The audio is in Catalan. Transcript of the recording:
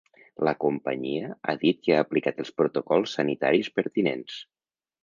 La companyia ha dit que ha aplicat els protocols sanitaris pertinents.